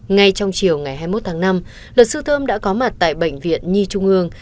ngay trong chiều ngày hai mươi một tháng năm luật sư thơm đã có mặt tại bệnh viện nhi trung ương